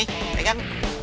nih pak budi bilang